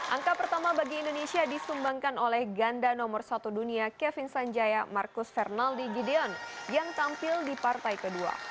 angka pertama bagi indonesia disumbangkan oleh ganda nomor satu dunia kevin sanjaya marcus fernaldi gideon yang tampil di partai kedua